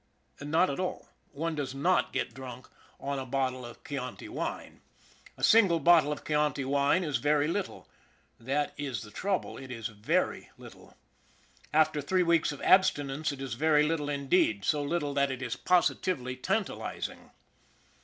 Not at all. One does not get drunk on a bottle of 114 ON THE IRON AT BIG CLOUD Chianti wine. A single bottle of Chianti wine is very little. That is the trouble it is very little. After three weeks of abstinence it is very little indeed so little that it is positively tantalizing.